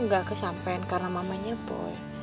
gak kesampein karena mamanya boy